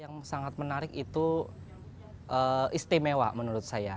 yang sangat menarik itu istimewa menurut saya